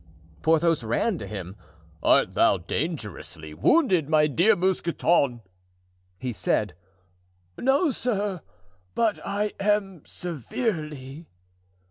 Porthos ran to him. "Art thou dangerously wounded, my dear Mousqueton?" he said. "No, sir, but I am severely."